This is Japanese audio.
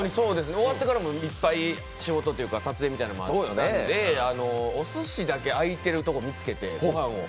終わってからもいっぱい仕事というか撮影みたいなのもあったんで、おすしだけ、開いているところを見つけてご飯を。